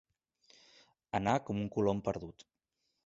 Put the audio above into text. Anar com un colom perdut.